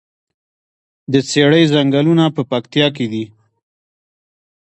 د څیړۍ ځنګلونه په پکتیا کې دي؟